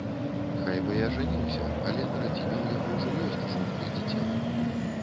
Хай бы і ажаніўся, але на радзіме ў яго ўжо ёсць жонка і дзіця.